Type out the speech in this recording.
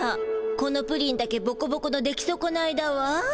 このプリンだけボコボコの出来そこないだわ。